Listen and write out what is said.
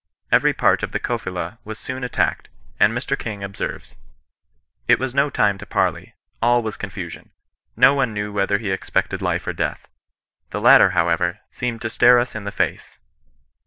Every part of the Kofila was soon attacked, and Mr. King observes :—" It was no time to parley. All was confusion. No one knew whether he expected life or death. The latter, however, seemed to stare us in the face.